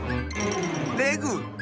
レグ！